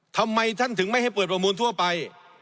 ทำไมท่านถึงไม่ให้เปิดประมูลทั่วไป